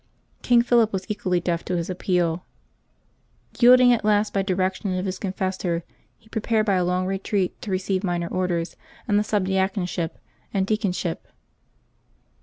King Philip was equally deaf to his appeal. Yielding at last by direction of his con fessor, he prepared by a long retreat to receive minor orders and the subdeaconship and deaconship.